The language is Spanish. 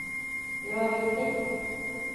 no bebisteis